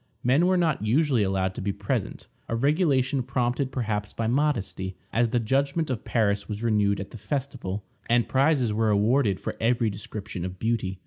Men were not usually allowed to be present, a regulation prompted perhaps by modesty, as the judgment of Paris was renewed at the festival, and prizes were awarded for every description of beauty.